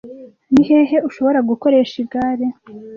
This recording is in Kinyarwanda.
Ni hehe ushobora gukoresha igare